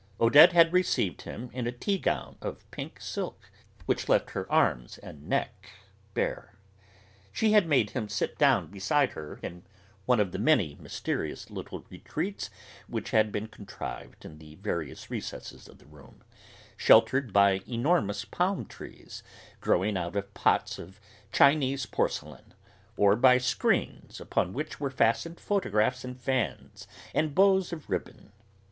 Odette had received him in a tea gown of pink silk, which left her neck and arms bare. She had made him sit down beside her in one of the many mysterious little retreats which had been contrived in the various recesses of the room, sheltered by enormous palmtrees growing out of pots of Chinese porcelain, or by screens upon which were fastened photographs and fans and bows of ribbon.